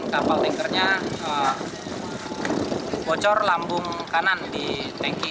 kapal tankernya bocor lambung kanan di tanki